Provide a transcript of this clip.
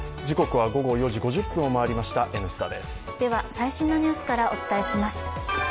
最新のニュースからお伝えします。